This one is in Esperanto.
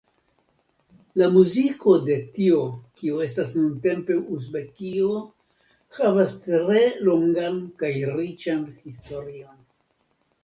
La muziko de tio kio estas nuntempe Uzbekio havas tre longan kaj riĉan historion.